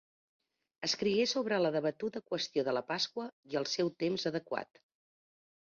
Escrigué sobre la debatuda qüestió de la Pasqua i el seu temps adequat.